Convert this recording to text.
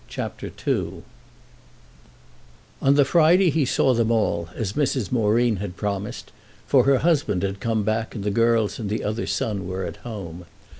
CHAPTER II On the Friday he saw them all, as Mrs. Moreen had promised, for her husband had come back and the girls and the other son were at home.